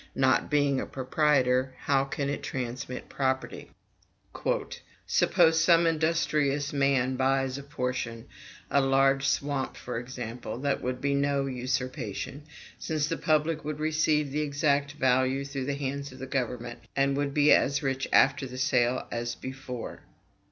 Not being a proprietor, how can it transmit property? "Suppose some industrious man buys a portion, a large swamp for example. This would be no usurpation, since the public would receive the exact value through the hands of the government, and would be as rich after the sale as before."